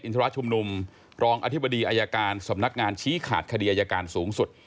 ธรชุมนุมรองอธิบดีอายการสำนักงานชี้ขาดคดีอายการสูงสุด